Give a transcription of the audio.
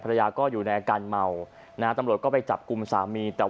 ภรรยาก็อยู่ในอาการเมาตำรวจก็ไปจับกุมสามี